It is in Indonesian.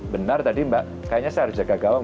benar tadi mbak kayaknya saya harus jaga gawang